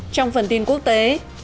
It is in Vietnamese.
trong phần tin quốc tế